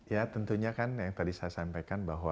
ya tentunya kan yang tadi saya sampaikan bahwa